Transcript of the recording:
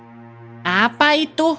di setiap rumah